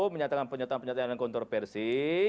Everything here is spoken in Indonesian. menyatakan penyataan penyataan yang kontroversi